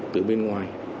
từ bên ngoài